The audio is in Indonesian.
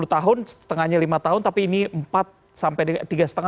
sepuluh tahun setengahnya lima tahun tapi ini empat tahun